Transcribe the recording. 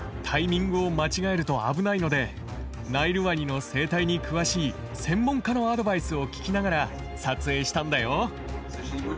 タイミングを間違えると危ないのでナイルワニの生態に詳しい専門家のアドバイスを聞きながら撮影したんだよ。